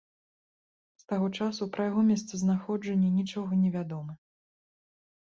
З таго часу пра яго месцазнаходжанне нічога не вядома.